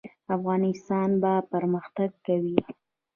افغانستان به پرمختګ کوي